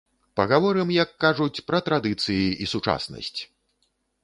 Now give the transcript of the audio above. Пагаворым, як кажуць, пра традыцыі і сучаснасць!